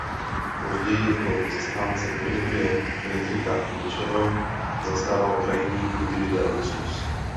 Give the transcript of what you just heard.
Později jako zastánce filosofie Friedricha Nietzscheho zastával krajní individualismus.